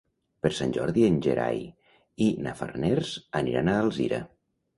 Per Sant Jordi en Gerai i na Farners aniran a Alzira.